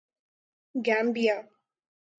Gambia